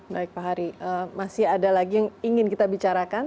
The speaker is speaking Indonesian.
baik pak hari masih ada lagi yang ingin kita bicarakan